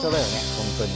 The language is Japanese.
本当に。